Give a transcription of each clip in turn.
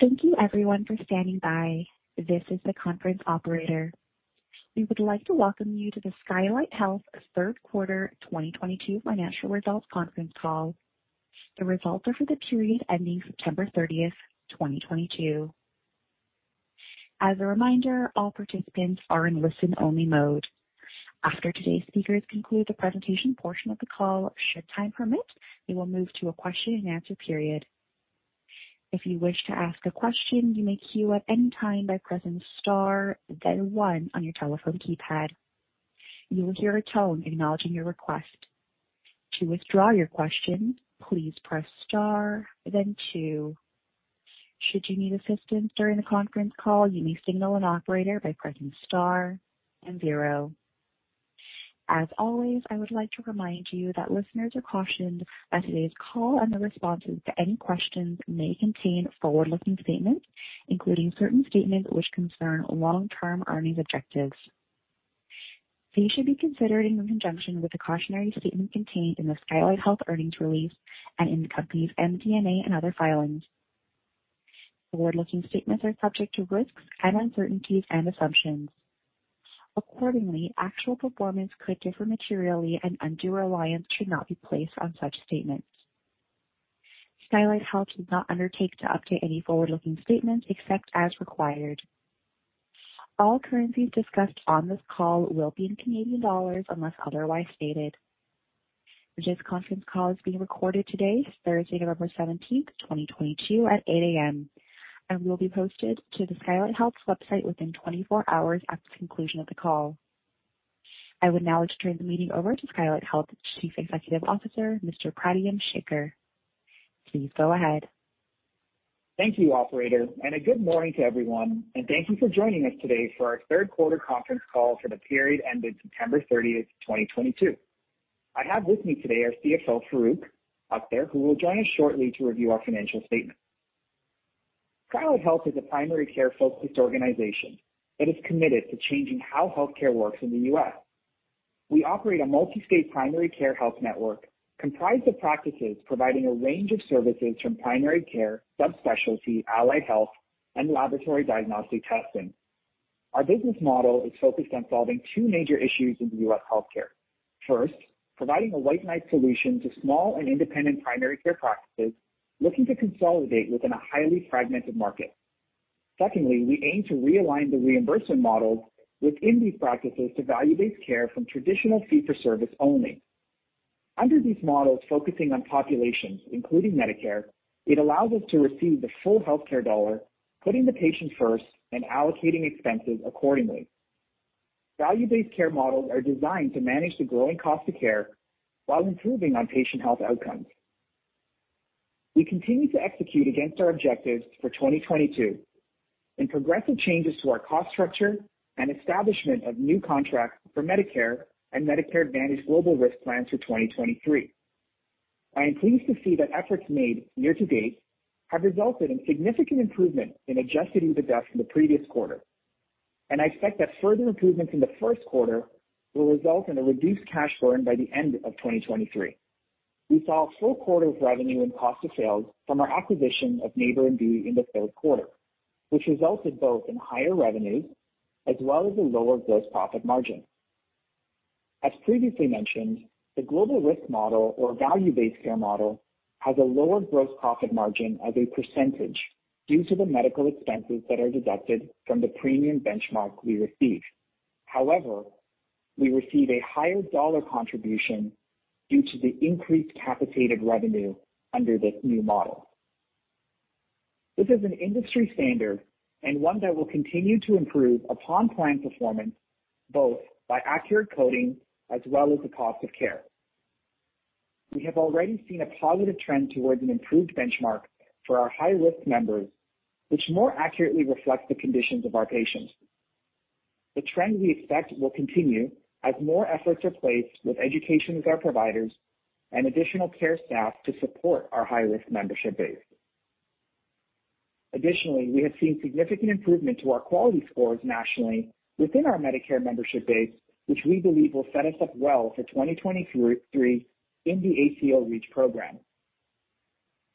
Thank you everyone for standing by. This is the conference operator. We would like to welcome you to the Skylight Health's Third Quarter 2022 Financial Results Conference Call. The results are for the period ending September 30th, 2022. As a reminder, all participants are in listen-only mode. After today's speakers conclude the presentation portion of the call, should time permit, we will move to a question-and-answer period. If you wish to ask a question, you may queue at any time by pressing star then one on your telephone keypad. You will hear a tone acknowledging your request. To withdraw your question, please press star then two. Should you need assistance during the conference call, you may signal an operator by pressing star and zero. As always, I would like to remind you that listeners are cautioned that today's call and the responses to any questions may contain forward-looking statements, including certain statements which concern long-term earnings objectives. These should be considered in conjunction with the cautionary statement contained in the Skylight Health earnings release and in the company's MD&A and other filings. Forward-looking statements are subject to risks and uncertainties and assumptions. Accordingly, actual performance could differ materially and undue reliance should not be placed on such statements. Skylight Health does not undertake to update any forward-looking statements except as required. All currencies discussed on this call will be in Canadian dollars unless otherwise stated. Today's conference call is being recorded today, Thursday, November 17th, 2022, at 8:00 A.M., and will be posted to the Skylight Health's website within 24 hours after conclusion of the call. I would now like to turn the meeting over to Skylight Health's Chief Executive Officer, Mr. Pradyum Sekar. Please go ahead. Thank you, operator, and a good morning to everyone, and thank you for joining us today for our third quarter conference call for the period ending September 30th, 2022. I have with me today our CFO, Farooq Akhter, who will join us shortly to review our financial statement. Skylight Health is a primary care-focused organization that is committed to changing how healthcare works in the U.S. We operate a multi-state primary care health network comprised of practices providing a range of services from primary care, subspecialty, allied health, and laboratory diagnostic testing. Our business model is focused on solving two major issues in the U.S. healthcare. First, providing a white knight solution to small and independent primary care practices looking to consolidate within a highly fragmented market. Secondly, we aim to realign the reimbursement models within these practices to value-based care from traditional fee-for-service only. Under these models focusing on populations, including Medicare, it allows us to receive the full healthcare dollar, putting the patient first and allocating expenses accordingly. Value-based care models are designed to manage the growing cost of care while improving on patient health outcomes. We continue to execute against our objectives for 2022 in progressive changes to our cost structure and establishment of new contracts for Medicare and Medicare Advantage global risk plans for 2023. I am pleased to see that efforts made year to date have resulted in significant improvement in adjusted EBITDA from the previous quarter. I expect that further improvements in the first quarter will result in a reduced cash burn by the end of 2023. We saw a full quarter of revenue and cost of sales from our acquisition of NeighborMD in the third quarter, which resulted both in higher revenues as well as a lower gross profit margin. As previously mentioned, the global risk model or value-based care model has a lower gross profit margin as a percentage due to the medical expenses that are deducted from the premium benchmark we receive. However, we receive a higher dollar contribution due to the increased capitated revenue under this new model. This is an industry standard and one that will continue to improve upon plan performance, both by accurate coding as well as the cost of care. We have already seen a positive trend towards an improved benchmark for our high-risk members, which more accurately reflects the conditions of our patients. The trend we expect will continue as more efforts are placed with education with our providers and additional care staff to support our high-risk membership base. Additionally, we have seen significant improvement to our quality scores nationally within our Medicare membership base, which we believe will set us up well for 2023 in the ACO REACH program.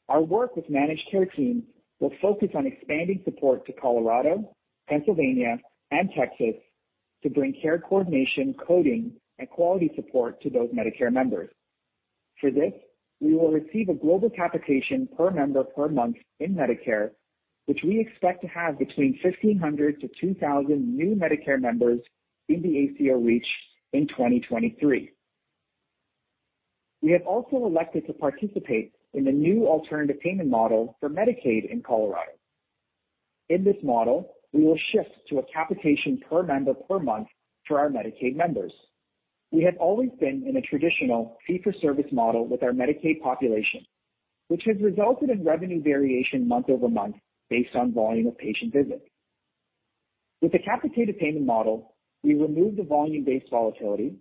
Our work with managed care teams will focus on expanding support to Colorado, Pennsylvania, and Texas to bring care coordination, coding, and quality support to those Medicare members. For this, we will receive a global capitation per member per month in Medicare, which we expect to have between 1,500-2,000 new Medicare members in the ACO REACH in 2023. We have also elected to participate in the new alternative payment model for Medicaid in Colorado. In this model, we will shift to a capitation per member per month for our Medicaid members. We have always been in a traditional fee-for-service model with our Medicaid population, which has resulted in revenue variation month-over-month based on volume of patient visits. With the capitated payment model, we remove the volume-based volatility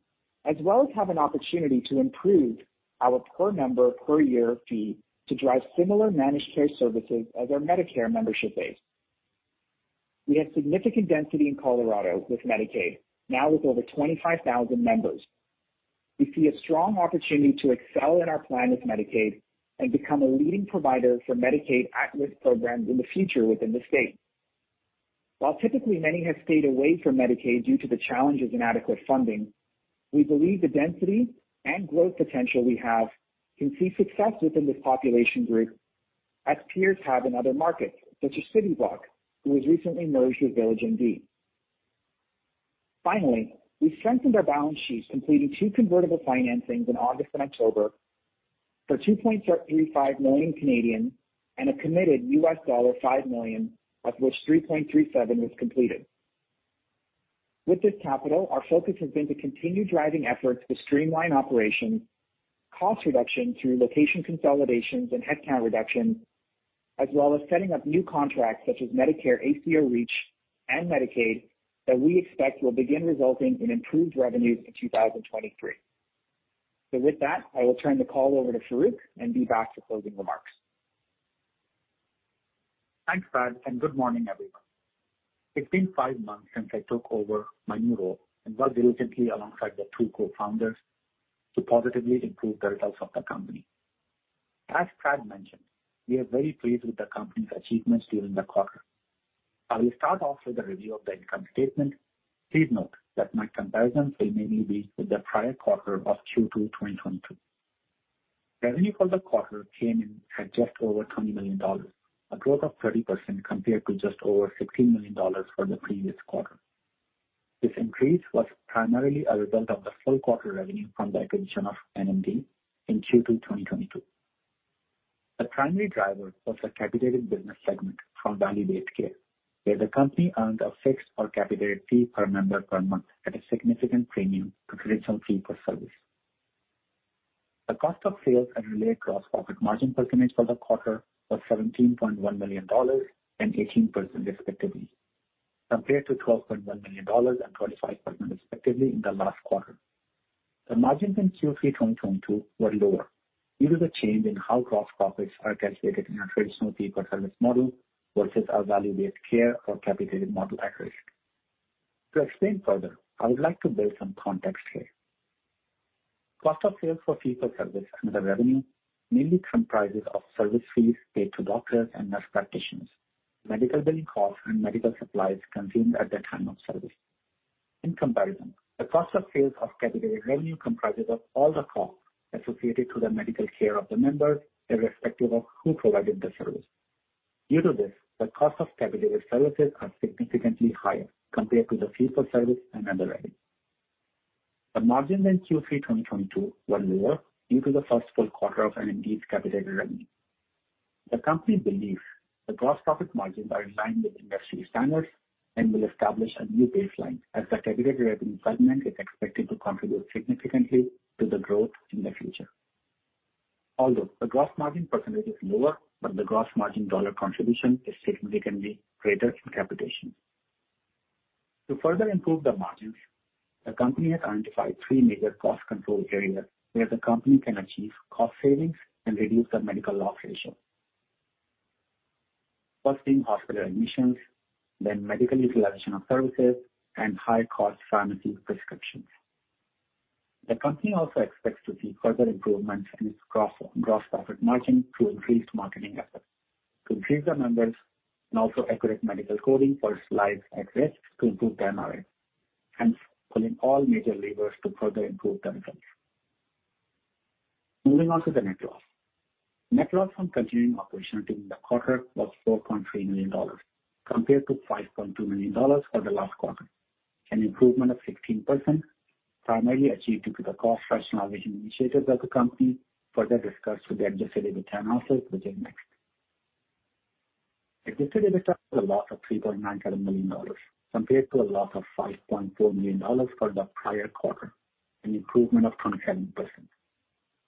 as well as have an opportunity to improve our per member per year fee to drive similar managed care services as our Medicare membership base. We have significant density in Colorado with Medicaid, now with over 25,000 members. We see a strong opportunity to excel in our plan with Medicaid and become a leading provider for Medicaid at-risk programs in the future within the state. While typically many have stayed away from Medicaid due to the challenges in adequate funding, we believe the density and growth potential we have can see success within this population group as peers have in other markets, such as CityMD, who has recently merged with VillageMD. Finally, we strengthened our balance sheets, completing two convertible financings in August and October for 2.35 million and a committed $5 million, of which $3.37 was completed. With this capital, our focus has been to continue driving efforts to streamline operations, cost reduction through location consolidations and headcount reduction, as well as setting up new contracts such as Medicare ACO REACH and Medicaid that we expect will begin resulting in improved revenues in 2023. With that, I will turn the call over to Farooq and be back for closing remarks. Thanks, Prad, and good morning, everyone. It's been five months since I took over my new role and worked diligently alongside the two co-founders to positively improve the results of the company. As Prad mentioned, we are very pleased with the company's achievements during the quarter. I will start off with a review of the income statement. Please note that my comparisons will mainly be with the prior quarter of Q2 2022. Revenue for the quarter came in at just over 20 million dollars, a growth of 30% compared to just over 16 million dollars for the previous quarter. This increase was primarily a result of the full quarter revenue from the acquisition of NMD in Q2 2022. The primary driver was the capitated business segment from value-based care, where the company earned a fixed or capitated fee per member per month at a significant premium to traditional fee-for-service. The cost of sales and related gross profit margin percentage for the quarter was 17.1 million dollars and 18% respectively, compared to 12.1 million dollars and 25% respectively in the last quarter. The margins in Q3 2022 were lower due to the change in how gross profits are calculated in a traditional fee-for-service model versus a value-based care or capitated model acquisition. To explain further, I would like to build some context here. Cost of sales for fee-for-service under revenue mainly comprises of service fees paid to doctors and nurse practitioners, medical billing costs, and medical supplies consumed at the time of service. In comparison, the cost of sales of capitated revenue comprises of all the costs associated to the medical care of the members, irrespective of who provided the service. Due to this, the cost of capitated services are significantly higher compared to the fee-for-service and underwriting. The margins in Q3 2022 were lower due to the first full quarter of NMD's capitated revenue. The company believes the gross profit margins are in line with industry standards and will establish a new baseline as the capitated revenue segment is expected to contribute significantly to the growth in the future. Although the gross margin percentage is lower, but the gross margin dollar contribution is significantly greater in capitation. To further improve the margins, the company has identified three major cost control areas where the company can achieve cost savings and reduce the medical loss ratio. First thing, hospital admissions, then medical utilization of services, and high-cost pharmacy prescriptions. The company also expects to see further improvements in its gross profit margin through increased marketing efforts to increase their members and also accurate medical coding for lives at risk to improve the MRA, hence pulling all major levers to further improve the results. Moving on to the net loss. Net loss from continuing operation during the quarter was 4.3 million dollars, compared to 5.2 million dollars for the last quarter, an improvement of 16%, primarily achieved due to the cost rationalization initiatives that the company further discussed with the adjusted EBITDA analysis, which is next. Adjusted EBITDA loss of 3.9 million dollars compared to a loss of 5.4 million dollars for the prior quarter, an improvement of 27%.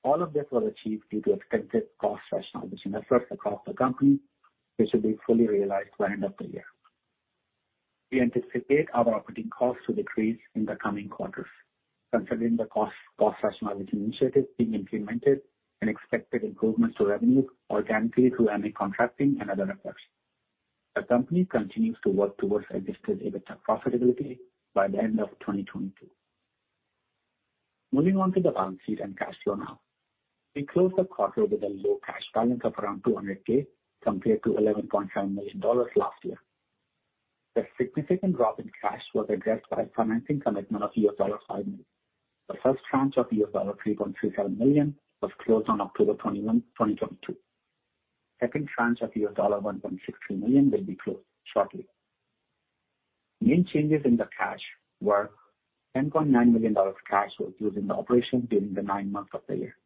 All of this was achieved due to extensive cost rationalization efforts across the company, which will be fully realized by end of the year. We anticipate our operating costs to decrease in the coming quarters, considering the cost rationalization initiatives being implemented and expected improvements to revenue organically through MA contracting and other efforts. The company continues to work towards adjusted EBITDA profitability by the end of 2022. Moving on to the balance sheet and cash flow now. We closed the quarter with a low cash balance of around two hundred K compared to eleven point five million dollars last year. The significant drop in cash was addressed by a financing commitment of US dollar five million. The first tranche of US dollar three point three seven million was closed on October 21, 2022 Second tranche of $1.63 million will be closed shortly. Main changes in the cash were 10.9 million dollars cash was used in the operations during the nine months of the year.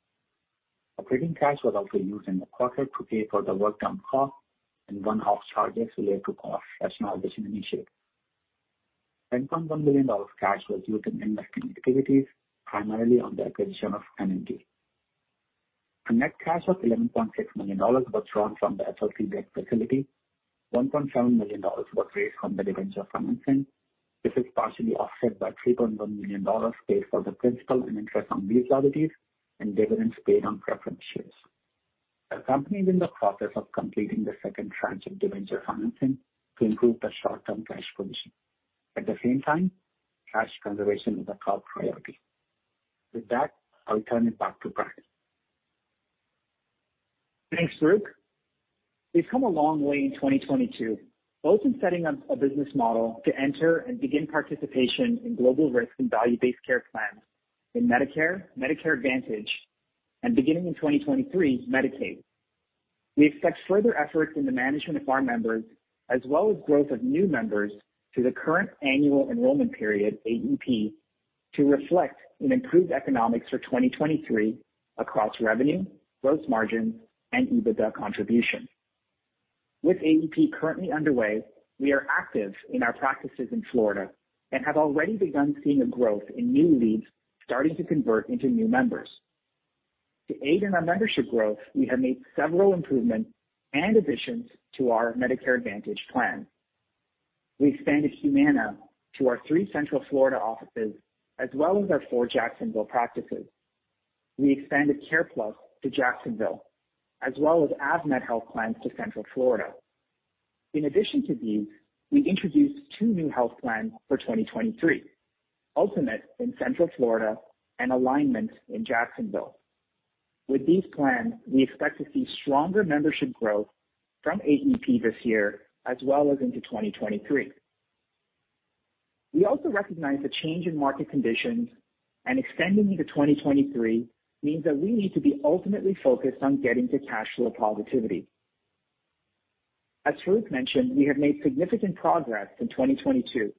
Operating cash was also used in the quarter to pay for the workdown costs and one-off charges related to cost rationalization initiative. 10.1 million dollars cash was used in investing activities, primarily on the acquisition of NMD. A net cash of 11.6 million dollars was drawn from the FLC debt facility. 1.7 million dollars was raised from the debenture financing. This is partially offset by 3.1 million dollars paid for the principal and interest on these liabilities and dividends paid on preference shares. The company is in the process of completing the second tranche of debenture financing to improve the short-term cash position. At the same time, cash conservation is a top priority. With that, I'll turn it back to Prad Thanks, Farooq. We've come a long way in 2022, both in setting up a business model to enter and begin participation in global risk and value-based care plans in Medicare Advantage, and beginning in 2023, Medicaid. We expect further efforts in the management of our members as well as growth of new members to the current annual enrollment period, AEP, to reflect an improved economics for 2023 across revenue, gross margin, and EBITDA contribution. With AEP currently underway, we are active in our practices in Florida and have already begun seeing a growth in new leads starting to convert into new members. To aid in our membership growth, we have made several improvements and additions to our Medicare Advantage plan. We expanded Humana to our three Central Florida offices as well as our four Jacksonville practices. We expanded CarePlus to Jacksonville as well as AvMed health plans to Central Florida. In addition to these, we introduced two new health plans for 2023, Ultimate in Central Florida and Alignment in Jacksonville. With these plans, we expect to see stronger membership growth from AEP this year as well as into 2023. We also recognize the change in market conditions, and extending into 2023 means that we need to be ultimately focused on getting to cash flow positivity. As Farooq mentioned, we have made significant progress in 2022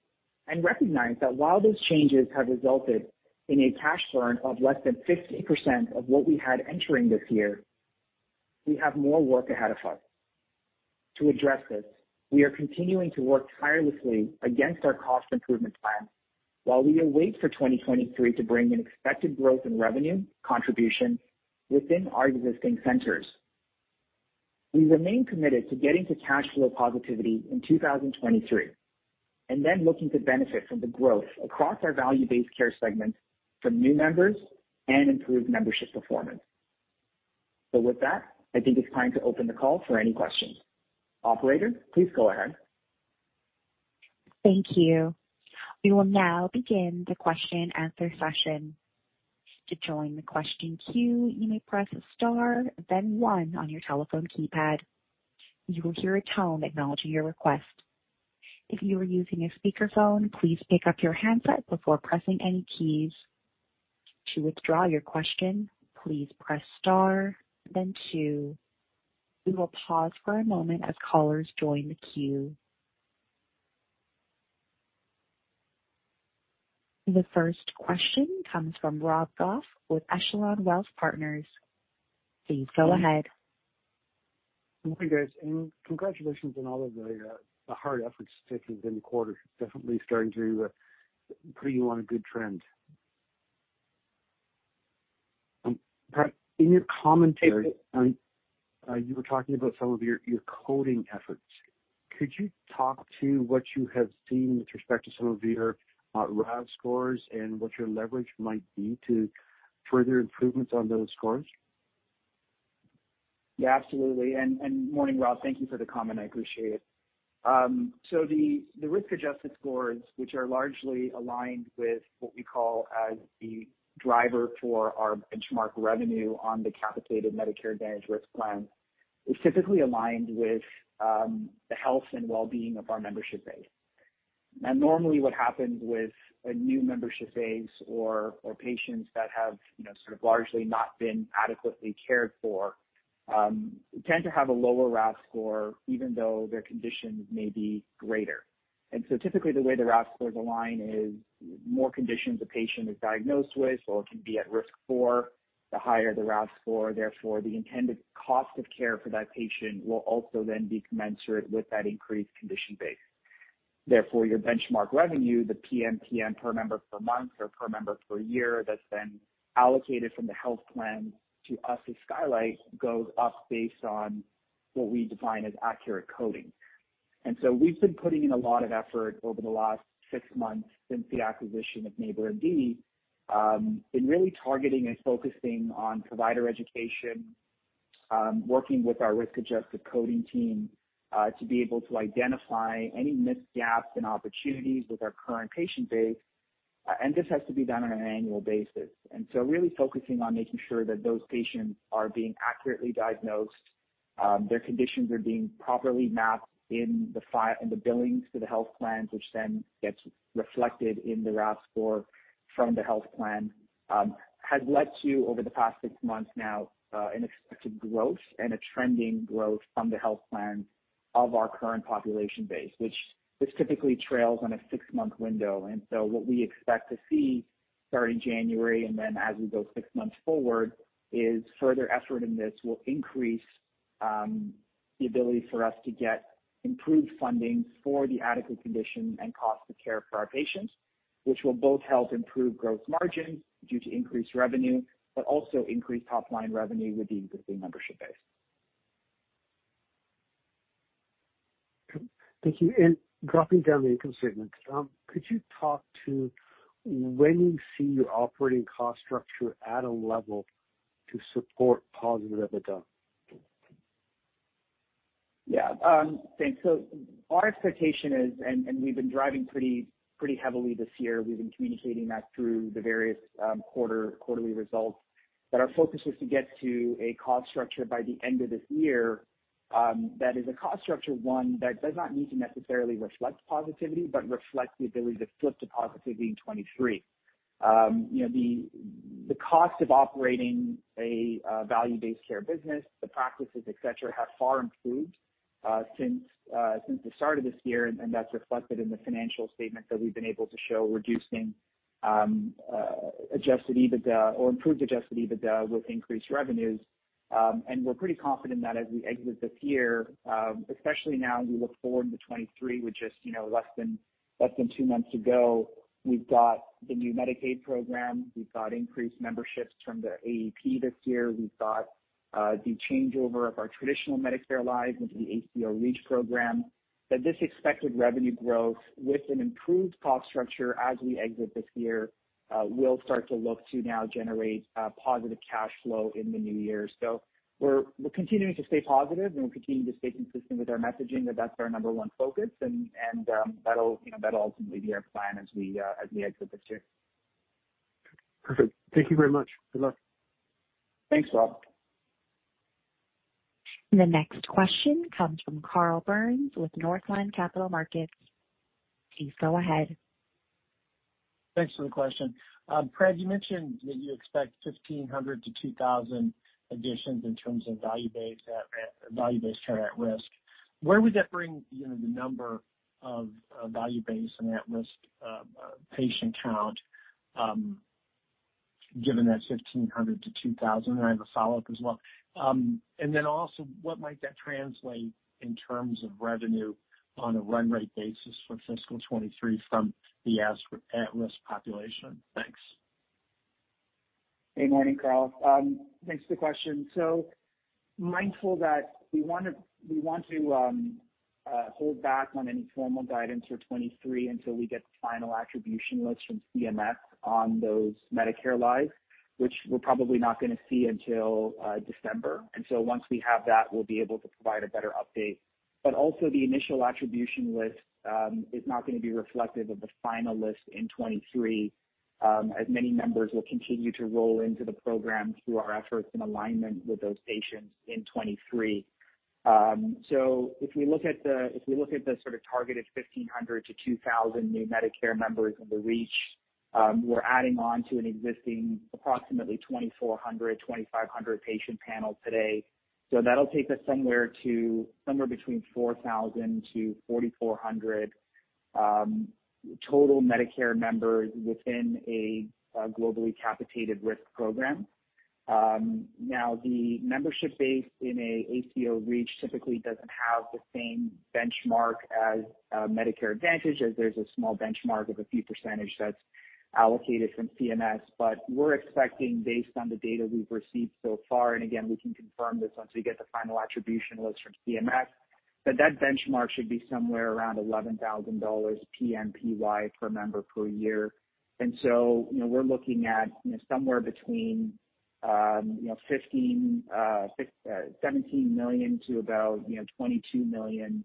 and recognize that while those changes have resulted in a cash burn of less than 50% of what we had entering this year, we have more work ahead of us. To address this, we are continuing to work tirelessly against our cost improvement plan while we await for 2023 to bring an expected growth in revenue contribution within our existing centers. We remain committed to getting to cash flow positivity in 2023, and then looking to benefit from the growth across our value-based care segment from new members and improved membership performance. With that, I think it's time to open the call for any questions. Operator, please go ahead. Thank you. We will now begin the question and answer session. To join the question queue, you may press star then one on your telephone keypad. You will hear a tone acknowledging your request. If you are using a speakerphone, please pick up your handset before pressing any keys. To withdraw your question, please press star then two. We will pause for a moment as callers join the queue. The first question comes from Rob Goff with Echelon Wealth Partners. Please go ahead. Morning, guys, and congratulations on all of the hard efforts taken in the quarter. Definitely starting to put you on a good trend. Prad Sekar, in your commentary, you were talking about some of your coding efforts. Could you talk to what you have seen with respect to some of your RAF scores and what your leverage might be to further improvements on those scores? Yeah, absolutely. Morning, Rob. Thank you for the comment. I appreciate it. The risk-adjusted scores, which are largely aligned with what we call as the driver for our benchmark revenue on the capitated Medicare Advantage risk plan, is typically aligned with the health and well-being of our membership base. Now, normally, what happens with a new membership base or patients that have, you know, sort of largely not been adequately cared for, tend to have a lower RAF score even though their conditions may be greater. Typically the way the RAF scores align is more conditions a patient is diagnosed with or can be at risk for, the higher the RAF score, therefore the intended cost of care for that patient will also then be commensurate with that increased condition base. Therefore, your benchmark revenue, the PMPM, per member per month or per member per year, that's then allocated from the health plan to us as Skylight, goes up based on what we define as accurate coding. We've been putting in a lot of effort over the last six months since the acquisition of NeighborMD in really targeting and focusing on provider education, working with our risk-adjusted coding team to be able to identify any missed gaps and opportunities with our current patient base. This has to be done on an annual basis. Really focusing on making sure that those patients are being accurately diagnosed, their conditions are being properly mapped in the billings to the health plans, which then gets reflected in the RAF score from the health plan, has led to over the past six months now, an expected growth and a trending growth from the health plan of our current population base, which this typically trails on a six-month window. What we expect to see starting January and then as we go six months forward, is further effort in this will increase the ability for us to get improved funding for the adequate condition and cost of care for our patients, which will both help improve gross margin due to increased revenue, but also increase top-line revenue with the existing membership base. Thank you. Dropping down the income statement, could you talk to when you see your operating cost structure at a level to support positive EBITDA? Yeah, thanks. Our expectation is, and we've been driving pretty heavily this year, we've been communicating that through the various quarterly results, that our focus was to get to a cost structure by the end of this year that is a cost structure, one, that does not need to necessarily reflect positivity, but reflect the ability to flip to positivity in 2023. You know, the cost of operating a value-based care business, the practices, et cetera, have far improved since the start of this year, and that's reflected in the financial statement that we've been able to show reducing adjusted EBITDA or improved adjusted EBITDA with increased revenues. We're pretty confident that as we exit this year, especially now as we look forward to 2023, which is, you know, less than two months ago, we've got the new Medicaid program, we've got increased memberships from the AEP this year, we've got the changeover of our traditional Medicare lives into the ACO REACH program, that this expected revenue growth with an improved cost structure as we exit this year will start to look to now generate positive cash flow in the new year. We're continuing to stay positive, and we're continuing to stay consistent with our messaging that that's our number one focus, and you know, that'll ultimately be our plan as we exit this year. Perfect. Thank you very much. Good luck. Thanks, Rob. The next question comes from Carl Byrnes with Northland Capital Markets. Please go ahead. Thanks for the question. Prad, you mentioned that you expect 1,500-2,000 additions in terms of value-based care at risk. Where would that bring, you know, the number of value-based and at-risk patient count, given that 1,500-2,000? I have a follow-up as well. Also, what might that translate in terms of revenue on a run rate basis for fiscal 2023 from the at-risk population? Thanks. Hey, morning, Carl. Thanks for the question. Mindful that we want to hold back on any formal guidance for 2023 until we get the final attribution list from CMS on those Medicare lives, which we're probably not gonna see until December. Once we have that, we'll be able to provide a better update. The initial attribution list is not gonna be reflective of the final list in 2023, as many members will continue to roll into the program through our efforts in alignment with those patients in 2023. If we look at the sort of targeted 1,500-2,000 new Medicare members in the Reach, we're adding on to an existing approximately 2,400-2,500 patient panel today. So that'll take us somewhere to, somewhere between four thousand to forty-four hundred, total Medicare members within a, globally capitated risk program. now, the membership base in a ACO Reach typically doesn't have the same benchmark as, Medicare Advantage, as there's a small benchmark of a few percentage that's allocated from CMS. But we're expecting, based on the data we've received so far, and again, we can confirm this once we get the final attribution list from CMS, that that benchmark should be somewhere around eleven thousand dollars PMPY per member per year. And so, you know, we're looking at, you know, somewhere between, um, you know, fifteen, six, seventeen million to about, you know, $22 million,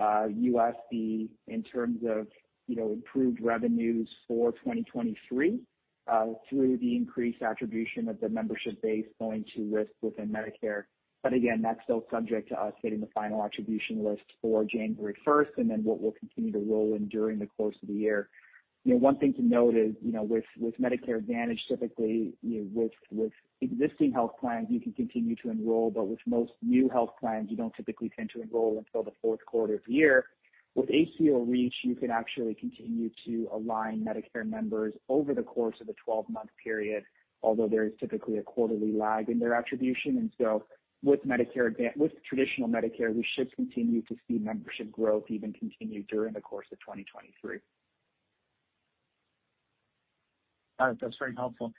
USD in terms of, you know, improved revenues for 2023, through the increased attribution of the membership base going to risk within Medicare. Again, that's still subject to us getting the final attribution list for January 1st, and then what we'll continue to roll in during the close of the year. You know, one thing to note is, you know, with Medicare Advantage, typically, you know, with existing health plans, you can continue to enroll, but with most new health plans, you don't typically tend to enroll until the fourth quarter of the year. With ACO REACH, you can actually continue to align Medicare members over the course of a 12-month period, although there is typically a quarterly lag in their attribution. With traditional Medicare, we should continue to see membership growth even continue during the course of 2023. Got it. That's very helpful.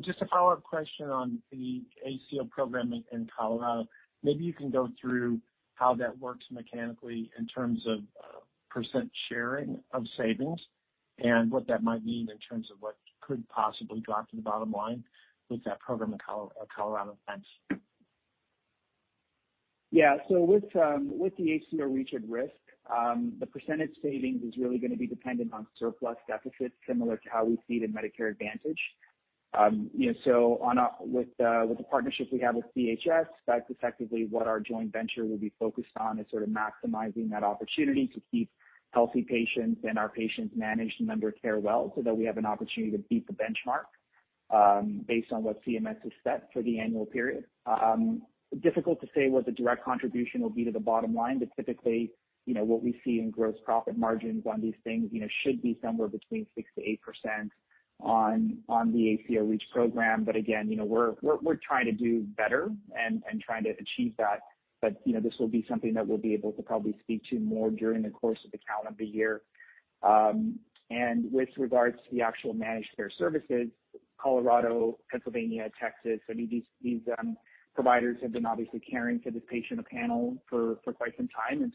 Just a follow-up question on the ACO program in Colorado. Maybe you can go through how that works mechanically in terms of percent sharing of savings and what that might mean in terms of what could possibly drop to the bottom line with that program in Colorado. Thanks. Yeah. With the ACO REACH at risk, the percentage savings is really gonna be dependent on surplus deficits, similar to how we see it in Medicare Advantage. You know, with the partnership we have with CHS, that's effectively what our joint venture will be focused on, is sort of maximizing that opportunity to keep healthy patients and our patients managed member care well, so that we have an opportunity to beat the benchmark based on what CMS has set for the annual period. Difficult to say what the direct contribution will be to the bottom line, but typically, you know, what we see in gross profit margins on these things, you know, should be somewhere between 6%-8% on the ACO REACH program. Again, you know, we're trying to do better and trying to achieve that. You know, this will be something that we'll be able to probably speak to more during the course of the calendar year. With regards to the actual managed care services, Colorado, Pennsylvania, Texas, I mean, these providers have been obviously caring for this patient panel for quite some time.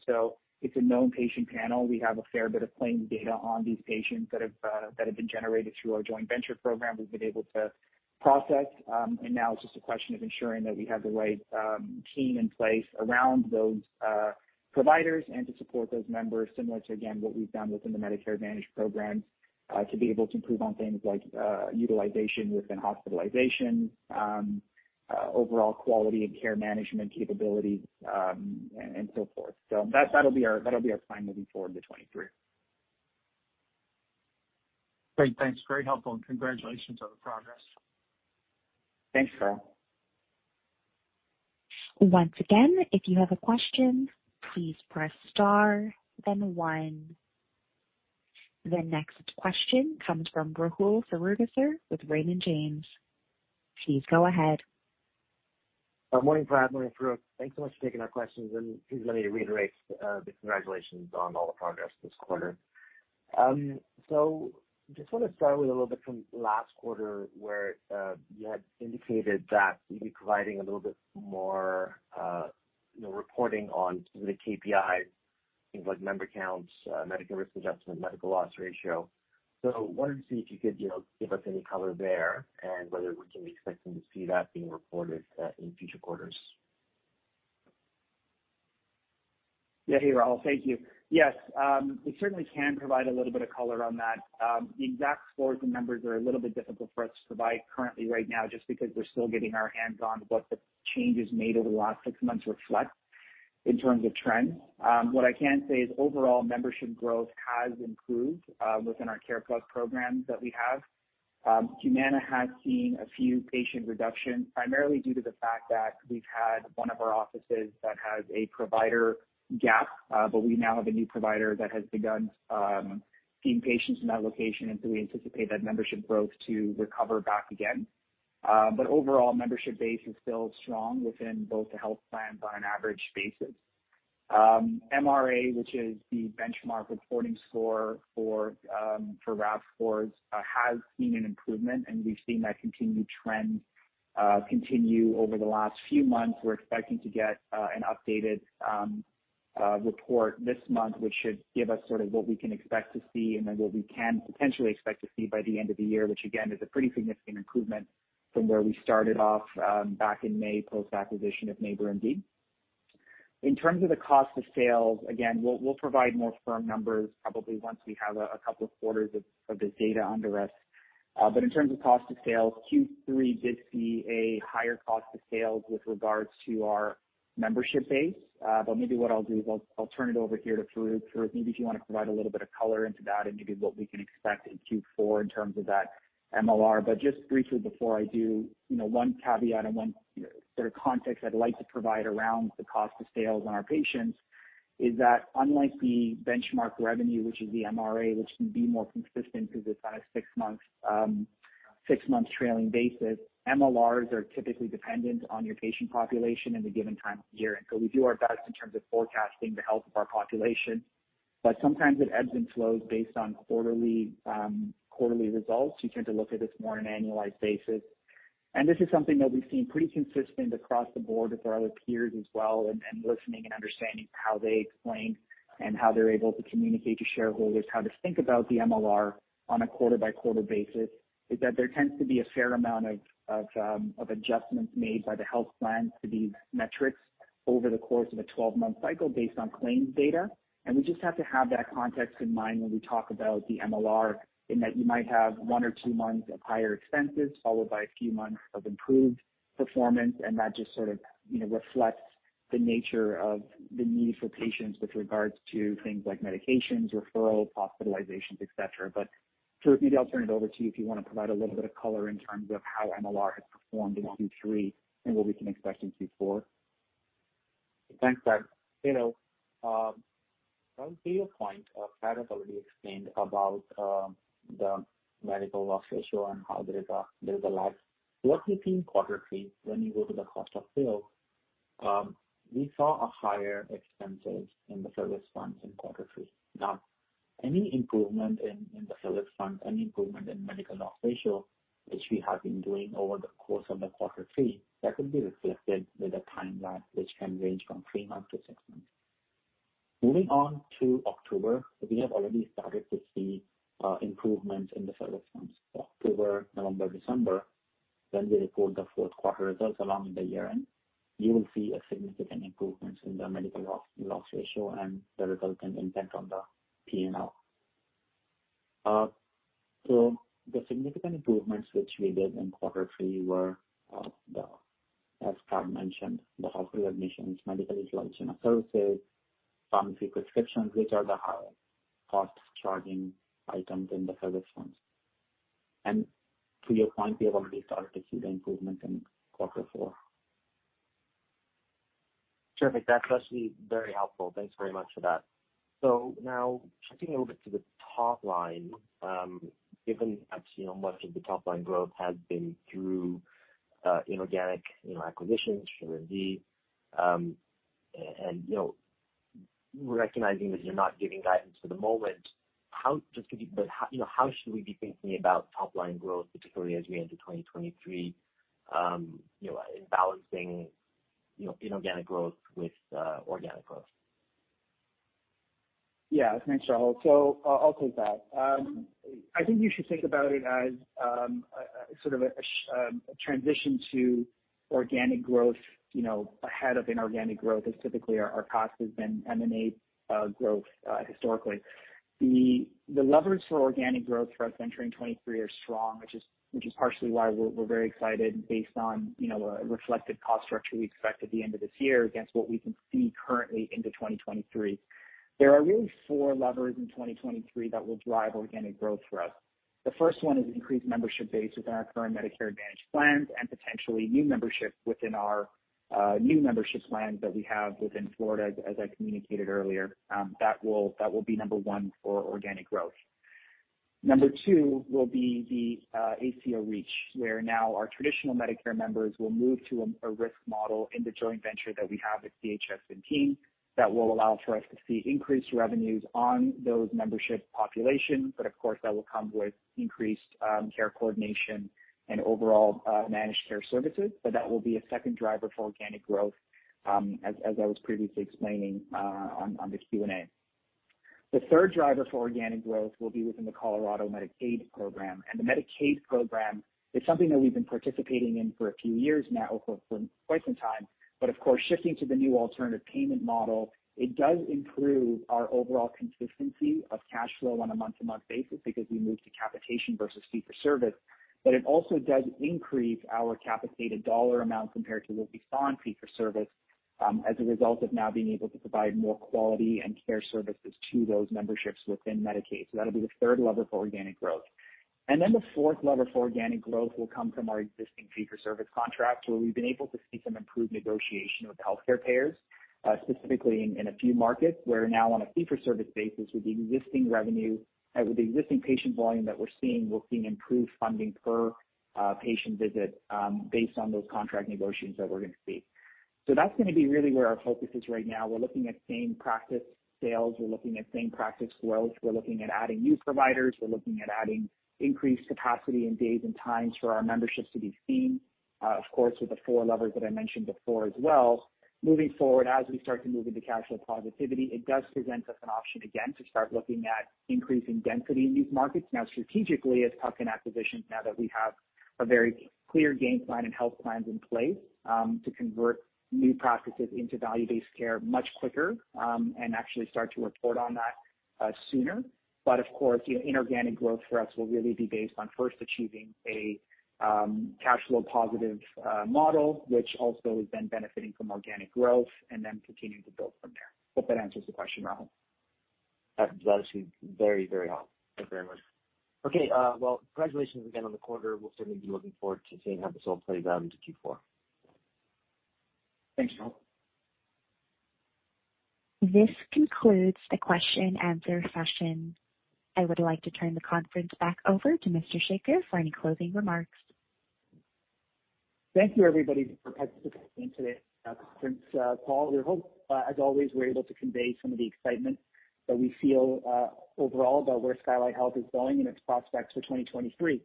It's a known patient panel. We have a fair bit of claims data on these patients that have been generated through our joint venture program we've been able to process. Now it's just a question of ensuring that we have the right team in place around those providers and to support those members, similar to, again, what we've done within the Medicare managed programs, to be able to improve on things like utilization within hospitalization, overall quality and care management capabilities, and so forth. That'll be our plan moving forward into 2023. Great, thanks. Very helpful, and congratulations on the progress. Thanks, Carl. Once again, if you have a question, please press star then one. The next question comes from Rahul Sarugaser with Raymond James. Please go ahead. Morning, Prad. Morning, Farooq. Thanks so much for taking our questions. Please let me reiterate the congratulations on all the progress this quarter. Just wanna start with a little bit from last quarter, where you had indicated that you'd be providing a little bit more, you know, reporting on some of the KPIs, things like member counts, medical risk adjustment, medical loss ratio. Wanted to see if you could, you know, give us any color there and whether we can be expecting to see that being reported in future quarters. Yeah. Hey, Rahul. Thank you. Yes, we certainly can provide a little bit of color on that. The exact scores and numbers are a little bit difficult for us to provide currently right now just because we're still getting our hands on what the changes made over the last six months reflect in terms of trends. What I can say is overall membership growth has improved within our CarePlus programs that we have. Humana has seen a few patient reductions, primarily due to the fact that we've had one of our offices that has a provider gap, but we now have a new provider that has begun seeing patients in that location. We anticipate that membership growth to recover back again. Overall membership base is still strong within both the health plans on an average basis. MRA, which is the benchmark reporting score for RAF scores, has seen an improvement, and we've seen that continued trend continue over the last few months. We're expecting to get an updated report this month, which should give us sort of what we can expect to see and then what we can potentially expect to see by the end of the year, which again is a pretty significant improvement from where we started off back in May post-acquisition of NeighborMD. In terms of the cost of sales, again, we'll provide more firm numbers probably once we have a couple of quarters of this data under us. In terms of cost of sales, Q3 did see a higher cost of sales with regards to our membership base. Maybe what I'll do is I'll turn it over here to Farooq. Farooq, maybe if you wanna provide a little bit of color into that and maybe what we can expect in Q4 in terms of that MLR. Just briefly before I do, you know, one caveat and one, you know, sort of context I'd like to provide around the cost of sales on our patients is that unlike the benchmark revenue which is the MRA, which can be more consistent because it's on a six-month trailing basis, MLRs are typically dependent on your patient population in the given time of year. We do our best in terms of forecasting the health of our population, but sometimes it ebbs and flows based on quarterly results. You tend to look at this more on an annualized basis. This is something that we've seen pretty consistent across the board with our other peers as well and listening and understanding how they explain and how they're able to communicate to shareholders how to think about the MLR on a quarter-by-quarter basis, is that there tends to be a fair amount of adjustments made by the health plans to these metrics over the course of a 12-month cycle based on claims data. We just have to have that context in mind when we talk about the MLR in that you might have one or two months of higher expenses followed by a few months of improved performance, and that just sort of, you know, reflects the nature of the need for patients with regards to things like medications, referrals, hospitalizations, et cetera. Farooq, maybe I'll turn it over to you if you wanna provide a little bit of color in terms of how MLR has performed in Q3 and what we can expect in Q4. Thanks, Prad. You know, well, to your point, Prad has already explained about the medical loss ratio and how there is a lag. What we've seen in quarter three when you go to the cost of sales, we saw a higher expenses in the service front in quarter three. Now, any improvement in the service front, any improvement in medical loss ratio, which we have been doing over the course of the quarter three, that will be reflected with a timeline which can range from three months-six months. Moving on to October, we have already started to see improvements in the service fronts. October, November, December, when we report the fourth quarter results along with the year-end, you will see a significant improvements in the medical loss ratio and the resultant impact on the P&L. The significant improvements which we did in quarter three were, as Prad mentioned, the hospital admissions, medical utilization of services, pharmacy prescriptions, which are the higher cost charging items in the service fronts. To your point, we have already started to see the improvement in quarter four. Terrific. That's actually very helpful. Thanks very much for that. Now shifting a little bit to the top line, given as, you know, much of the top line growth has been through inorganic, you know, acquisitions, NeighborMD, you know, recognizing that you're not giving guidance for the moment, just give me how, you know, should we be thinking about top line growth, particularly as we enter 2023, you know, in balancing, you know, inorganic growth with organic growth? Yeah. Thanks, Rahul. I'll take that. I think you should think about it as sort of a transition to organic growth, you know, ahead of inorganic growth, as typically our cost has been M&A growth historically. The levers for organic growth for us entering 2023 are strong, which is partially why we're very excited based on, you know, a reflected cost structure we expect at the end of this year against what we can see currently into 2023. There are really four levers in 2023 that will drive organic growth for us. The first one is increased membership base within our current Medicare Advantage plans and potentially new membership within our new membership plans that we have within Florida, as I communicated earlier. That will be number one for organic growth. Number two will be the ACO REACH, where now our traditional Medicare members will move to a risk model in the joint venture that we have with CHS and team. That will allow for us to see increased revenues on those membership populations, but of course, that will come with increased care coordination and overall managed care services. That will be a second driver for organic growth as I was previously explaining on this Q&A. The third driver for organic growth will be within the Colorado Medicaid program, and the Medicaid program is something that we've been participating in for a few years now for quite some time. Of course, shifting to the new alternative payment model, it does improve our overall consistency of cash flow on a month-to-month basis because we move to capitation versus fee-for-service. It also does increase our capitated dollar amount compared to what we saw in fee-for-service as a result of now being able to provide more quality and care services to those memberships within Medicaid. That'll be the third lever for organic growth. The fourth lever for organic growth will come from our existing fee-for-service contracts, where we've been able to see some improved negotiation with healthcare payers, specifically in a few markets, where now on a fee-for-service basis with the existing revenue. With the existing patient volume that we're seeing, we're seeing improved funding per patient visit based on those contract negotiations that we're gonna see. That's gonna be really where our focus is right now. We're looking at same practice sales. We're looking at same practice growth. We're looking at adding new providers. We're looking at adding increased capacity and days and times for our memberships to be seen, of course with the four levers that I mentioned before as well. Moving forward, as we start to move into cash flow positivity, it does present us an option again to start looking at increasing density in these markets. Now, strategically, it's tuck-in acquisitions now that we have a very clear game plan and health plans in place to convert new practices into value-based care much quicker and actually start to report on that sooner. Of course, you know, inorganic growth for us will really be based on first achieving a cash flow positive model, which also is then benefiting from organic growth and then continuing to build from there. Hope that answers the question, Rahul. That's actually very, very helpful. Thank you very much. Okay. Well, congratulations again on the quarter. We'll certainly be looking forward to seeing how this all plays out into Q4. Thanks, Rahul. This concludes the question and answer session. I would like to turn the conference back over to Mr. Sekar for any closing remarks. Thank you everybody for participating in today's conference call. We hope, as always, we're able to convey some of the excitement that we feel overall about where Skylight Health is going and its prospects for 2023.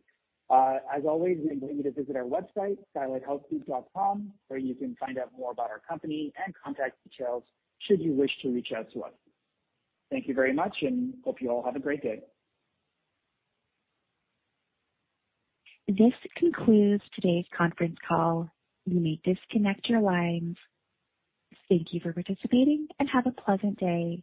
As always, we invite you to visit our website, skylighthealthgroup.com, where you can find out more about our company and contact details should you wish to reach out to us. Thank you very much, and hope you all have a great day. This concludes today's conference call. You may disconnect your lines. Thank you for participating, and have a pleasant day.